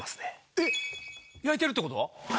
えっ⁉焼いてるってこと？